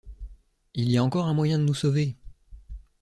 Il y a encore un moyen de nous sauver!